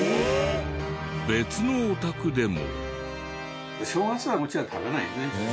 別のお宅でも。